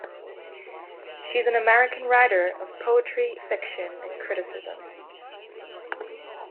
She is an American writer of poetry, fiction, and criticism.